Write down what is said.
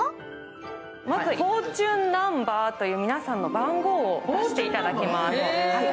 まずフォーチュンナンバーという皆さんの番号を出していただきます。